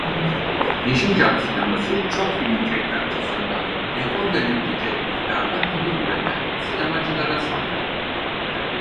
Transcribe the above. Yeşilçam sineması çok film çekme açısından rekor denebilecek miktarda film üreten sinemacılara sahip.